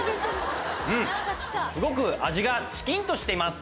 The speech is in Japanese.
うんすごく味がチキンとしてます。